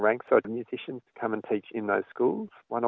jadi musikian datang dan mengajar di sekolah sekolah itu